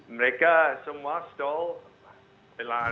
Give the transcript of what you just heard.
mereka semua stall